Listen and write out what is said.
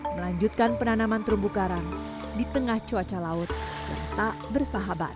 melanjutkan penanaman terumbu karang di tengah cuaca laut yang tak bersahabat